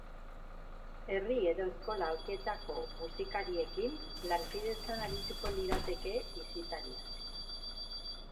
Herri edo eskola horietako musikariekin lankidetzan arituko lirateke bisitariak.